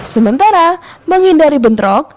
sementara menghindari bentrok